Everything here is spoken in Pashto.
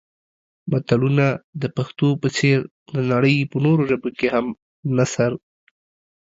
متلونه د پښتو په څېر د نړۍ په نورو ژبو کې هم د نثر